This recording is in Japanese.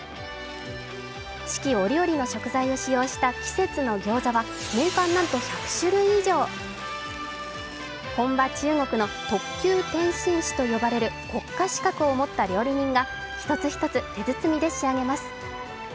四季折々の食材を使用した季節のギョーザは年間なんと１００種類以上本場・中国の特級点心師と呼ばれる国家資格を持った料理人が一つ一つ手包みで仕上げます。